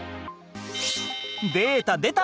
データでた！